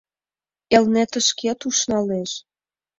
Элнетышкет ушналеш.